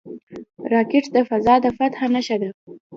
راکټ د فضا د فتح نښه ده